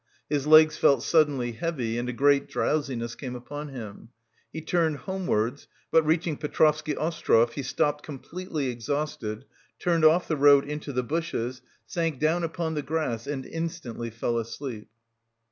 His legs felt suddenly heavy and a great drowsiness came upon him. He turned homewards, but reaching Petrovsky Ostrov he stopped completely exhausted, turned off the road into the bushes, sank down upon the grass and instantly fell asleep.